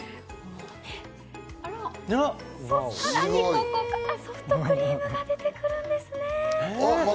ここから、さらにソフトクリームが出てくるんですね。